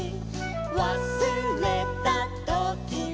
「わすれたときは」